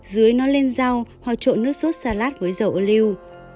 dưới nó lên rau hoặc trộn nước sốt salad với dầu ô lưu